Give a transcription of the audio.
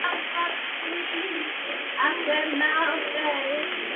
Nicola esta casada con el actor Barnaby Kay.